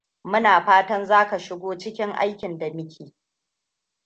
Muna fatan za ka shigo cikin aikin da muke.